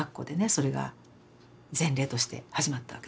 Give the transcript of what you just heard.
それが前例として始まったわけですよね。